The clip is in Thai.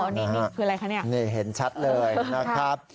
นี่นี่คืออะไรคะเนี่ยนี่เห็นชัดเลยนะครับ